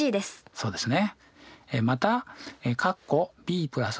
そうですね。